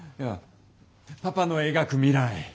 パパの描く未来